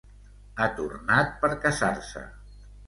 Ha tornat per casar-se.